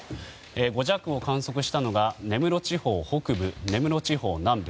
５弱を観測したのが根室地方北部、根室地方南部。